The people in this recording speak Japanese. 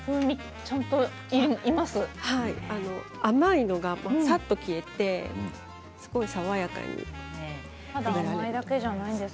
甘いのがさっと消えてすごい爽やかです。